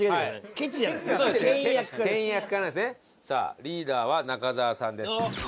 さあリーダーは中澤さんです。